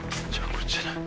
こっちじゃない。